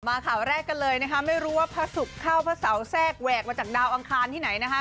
ข่าวแรกกันเลยนะคะไม่รู้ว่าพระศุกร์เข้าพระเสาแทรกแหวกมาจากดาวอังคารที่ไหนนะคะ